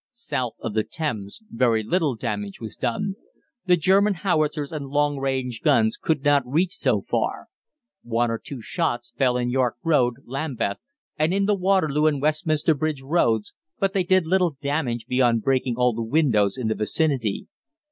South of the Thames very little damage was done. The German howitzers and long range guns could not reach so far. One or two shots fell in York Road, Lambeth, and in the Waterloo and Westminster Bridge Roads, but they did little damage beyond breaking all the windows in the vicinity.